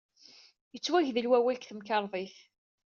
Yettwagdel wawal deg temkarḍit.